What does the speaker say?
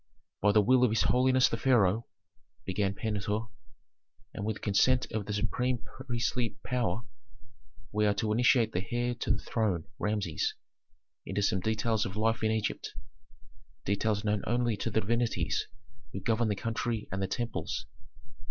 "By the will of his holiness the pharaoh," began Pentuer, "and with consent of the supreme priestly power, we are to initiate the heir to the throne, Rameses, into some details of life in Egypt, details known only to the divinities who govern the country and the temples.